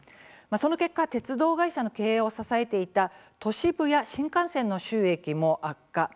その結果鉄道会社の経営を支えていた都市部や新幹線の収益も悪化。